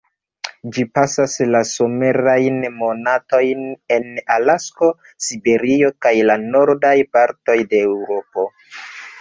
Ĝi pasas la somerajn monatojn en Alasko, Siberio, kaj la nordaj partoj de Eŭropo.